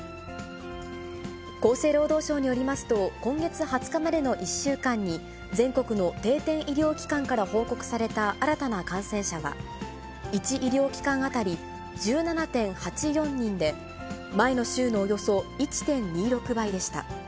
厚生労働省によりますと、今月２０日までの１週間に、全国の定点医療機関から報告された新たな感染者は、１医療機関当たり１７．８４人で、前の週のおよそ１．２６倍でした。